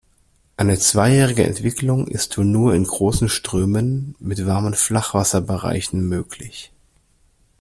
Eine zweijährige Entwicklung ist wohl nur in großen Strömen mit warmen Flachwasserbereichen möglich.